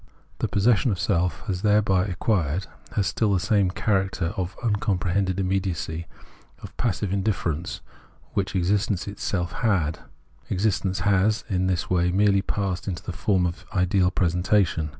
The possession tlie self has thereby acquired, has still the same char acter of imcomprehended immediacy, of passive in difference, which existence itself had ; existence has in this way merely passed into the form of an ideal presentation.